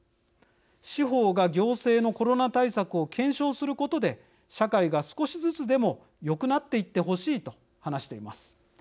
司法が行政のコロナ対策を検証することで社会が少しずつでもよくなっていってほしい」と話しています。